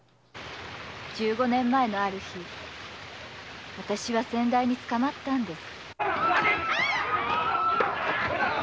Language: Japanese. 十五年前のある日私は先代に捕まったんです。